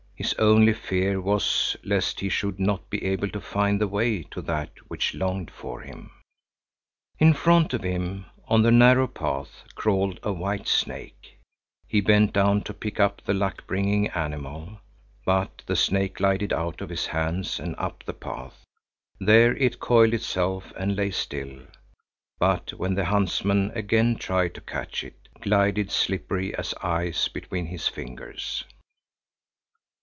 His only fear was lest he should not be able to find the way to that which longed for him. In front of him, on the narrow path, crawled a white snake. He bent down to pick up the luck bringing animal, but the snake glided out of his hands and up the path. There it coiled itself and lay still; but when the huntsman again tried to catch it, glided slippery as ice between his fingers.